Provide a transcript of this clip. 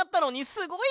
すごい！